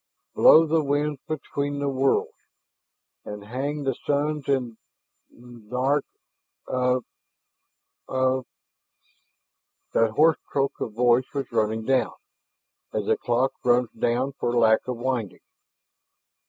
"... blow the winds between the worlds, And hang the suns in ... dark of of " That harsh croak of voice was running down, as a clock runs down for lack of winding.